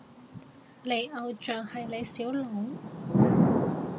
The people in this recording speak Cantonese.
你偶像係李小龍？